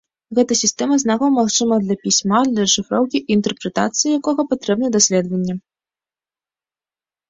Гэта сістэма знакаў, магчыма для пісьма, для расшыфроўкі і інтэрпрэтацыі якога патрэбны даследаванні.